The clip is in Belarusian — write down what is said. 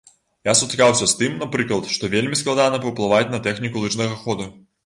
Я сутыкаўся з тым, напрыклад, што вельмі складана паўплываць на тэхніку лыжнага ходу.